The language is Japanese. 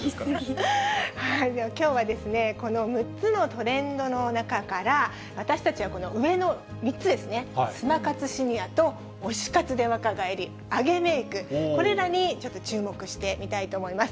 では、きょうはですね、この６つのトレンドの中から、私たちはこの上の３つですね、スマ活シニアと推し活で若返り、アゲメーク、これらにちょっと注目してみたいと思います。